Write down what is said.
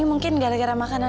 mungkin aku pulang aja ya